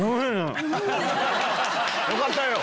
よかったよ。